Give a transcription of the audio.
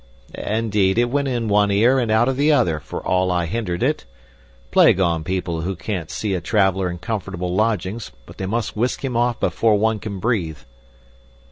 "Indeed, it went in one ear and out of the other, for all I hindered it. Plague on people who can't see a traveler in comfortable lodgings, but they must whisk him off before one can breathe."